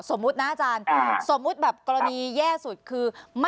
สมมุตินะอาจารย์สมมุติแบบกรณีแย่สุดคือ